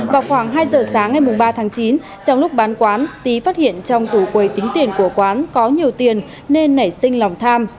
vào khoảng hai giờ sáng ngày ba tháng chín trong lúc bán quán tý phát hiện trong tủ quầy tính tiền của quán có nhiều tiền nên nảy sinh lòng tham